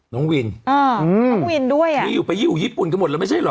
น้องวินอ่าน้องวินด้วยอ่ะมีอยู่ไปอยู่ญี่ปุ่นกันหมดแล้วไม่ใช่เหรอ